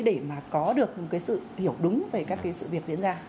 để mà có được cái sự hiểu đúng về các cái sự việc diễn ra